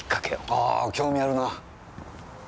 ああ興味あるな。